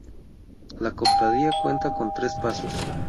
La cofradía cuenta con tres pasos.